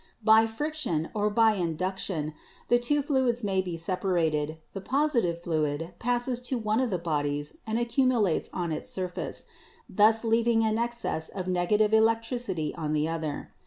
By friction or by induction the two fluids may be separated; the positive fluid passes to one of the bodies and accumulates on its surface, thus leaving an excess of negative electricity on the other.